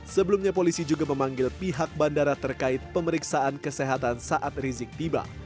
sebelumnya polisi juga memanggil pihak bandara terkait pemeriksaan kesehatan saat rizik tiba